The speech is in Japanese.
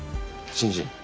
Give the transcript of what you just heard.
新人？